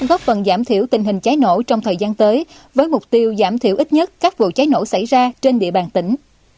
góp phần giảm thiểu tình hình cháy nổ trong thời gian tới với mục tiêu giảm thiểu ít nhất các vụ cháy nổ xảy ra trên địa bàn tỉnh